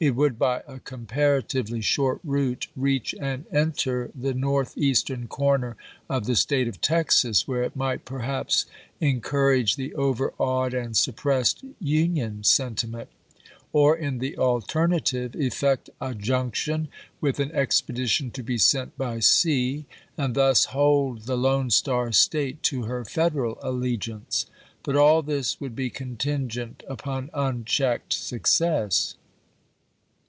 It would, by a comparatively short route, reach and Vol. v.— 6 si 82 ABKAHAM LINCOLN Chap. V. enter the northeastern corner of the State of Texas, where it might perhaps encourage the over awed and suppressed Union sentiment ; or, in the alternative, effect a junction with an expedition to be sent by sea, and thus hold the Lone Star State to her Federal allegiance. But all this would be contingent upon unchecked success.